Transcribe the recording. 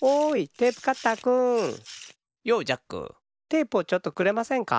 テープをちょっとくれませんか？